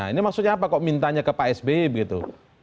ini maksudnya apa kok mintanya ke pak sby begitu